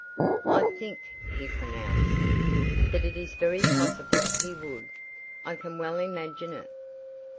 "I think," he pronounced, "that it is very possible he would. I can well imagine it."